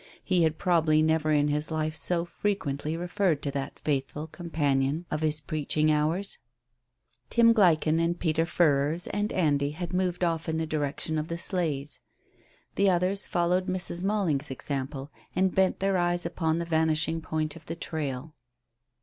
He had probably never in his life so frequently referred to that faithful companion of his preaching hours. Tim Gleichen and Peter Furrers and Andy had moved off in the direction of the sleighs. The others followed Mrs. Malling's example and bent their eyes upon the vanishing point of the trail.